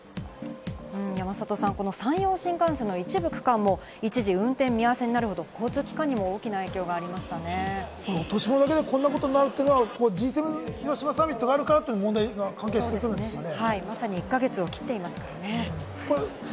山里さん、山陽新幹線の一部区間も一時運転見合わせになるほど交通機関にも落とし物だけでこんなことになるっていうのは、Ｇ７広島サミットがあるからという問題が関係してくるんですかね。